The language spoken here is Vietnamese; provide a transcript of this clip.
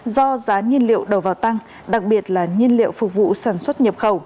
do giá nhiên liệu đầu vào tăng đặc biệt là nhiên liệu phục vụ sản xuất nhập khẩu